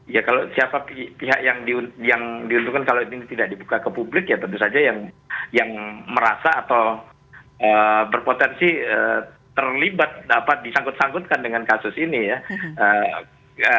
ya kalau siapa pihak yang diuntungkan kalau ini tidak dibuka ke publik ya tentu saja yang merasa atau berpotensi terlibat dapat disangkut sangkutkan dengan kasus ini ya